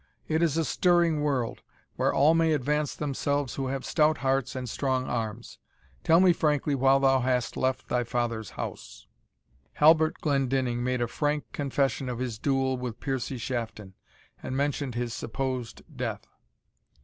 It is a stirring world, where all may advance themselves who have stout hearts and strong arms. Tell me frankly why thou hast left thy father's house." Halbert Glendinning made a frank confession of his duel with Piercie Shafton, and mentioned his supposed death.